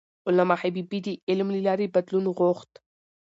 علامه حبيبي د علم له لارې بدلون غوښت.